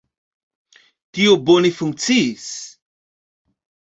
Tio bone funkciis.